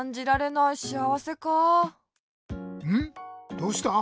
どうした？